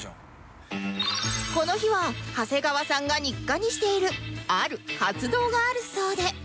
この日は長谷川さんが日課にしているある活動があるそうで